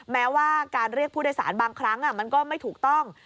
แม้ว่าการเรียกผู้โดยสารบางครั้งมันก็ไม่ถูกต้อง